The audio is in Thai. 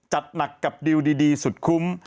จัดหนักกับดิวดีสุดคุ้ม